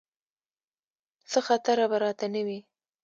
څه خطره به راته نه وي.